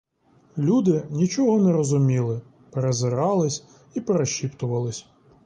Люди нічого не розуміли: перезирались і перешіптувались.